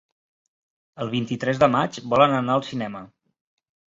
El vint-i-tres de maig volen anar al cinema.